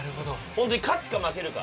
本当に勝つか負けるか。